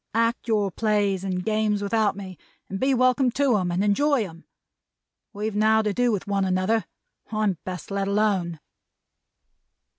Act your Plays and Games without me, and be welcome to 'em and enjoy 'em. We've now to do with one another. I'm best let alone!'"